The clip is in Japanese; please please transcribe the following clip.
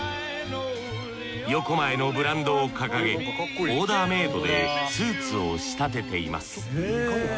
ヨコマエのブランドを掲げオーダーメイドでスーツを仕立てています